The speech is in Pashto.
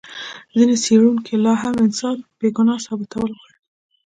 ځینې څېړونکي لا هم انسان بې ګناه ثابتول غواړي.